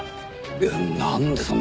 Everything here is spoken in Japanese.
いやなんでそんな。